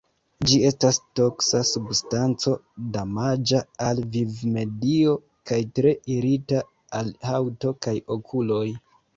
Ĝi estas toksa substanco, damaĝa al vivmedio kaj tre irita al haŭto kaj okuloj.